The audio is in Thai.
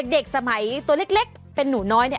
เด็กสมัยตัวเล็กเป็นหนูน้อยเนี่ย